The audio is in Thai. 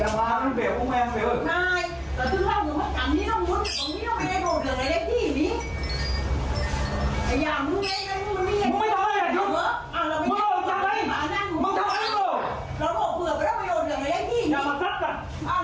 มันจะเอาไมโรง